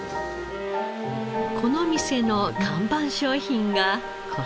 この店の看板商品がこちら。